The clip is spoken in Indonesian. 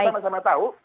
kita sama sama tahu